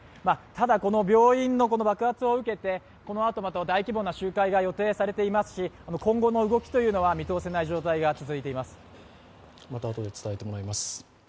ただ、この病院の爆発を受けて、このあとまた大規模な集会が予定されていますし今後の動きというのは見通せない状態が続いています。